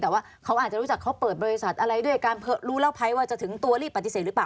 แต่ว่าเขาอาจจะรู้จักเขาเปิดบริษัทอะไรด้วยการรู้แล้วภัยว่าจะถึงตัวรีบปฏิเสธหรือเปล่า